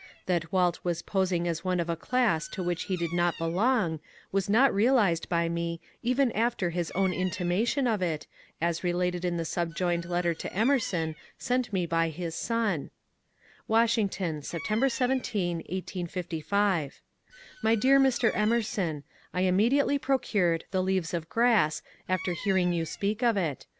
That Walt was posing as one of a class to which he did not belong was not realized by me even after his own intimation of it, as related in the subjoined letter to Emerson, sent me by his son :— Washington, September 17, 1855* Mt dear Mr. Emerson, — I immediately procured the ^^ Leaves of Grass " after hearing you speak of it.